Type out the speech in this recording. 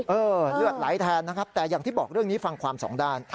เลือดไหลแทนนะครับแต่อย่างที่บอกเรื่องนี้ฟังความสองด้าน